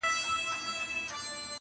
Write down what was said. توره تیاره ده دروازه یې ده چینجو خوړلې؛